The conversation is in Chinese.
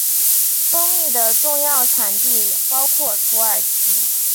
蜂蜜的重要产地包括土耳其。